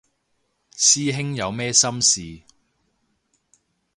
師兄有咩心事